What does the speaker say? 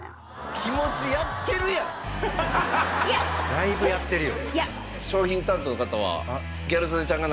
だいぶやってるよ。